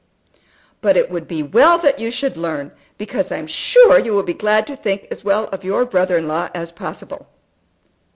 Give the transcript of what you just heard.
"But it would be well that you should learn, because I'm sure you will be glad to think as well of your brother in law as possible."